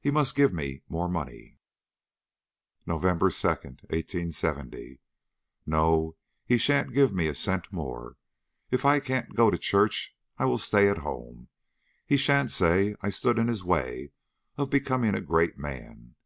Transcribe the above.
He must give me more money." "NOVEMBER 2, 1870. No, he sha'n't give me a cent more. If I can't go to church I will stay at home. He sha'n't say I stood in his way of becoming a great man.